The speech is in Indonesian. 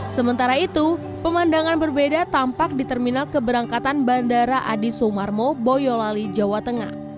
sementara itu pemandangan berbeda tampak di terminal keberangkatan bandara adi sumarmo boyolali jawa tengah